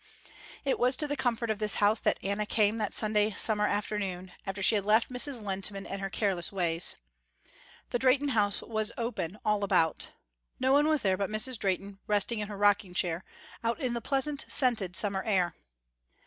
It was to the comfort of this house that Anna came that Sunday summer afternoon, after she had left Mrs. Lehntman and her careless ways. The Drehten house was open all about. No one was there but Mrs. Drehten resting in her rocking chair, out in the pleasant, scented, summer air.